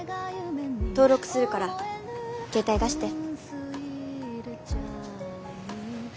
登録するから携帯出して。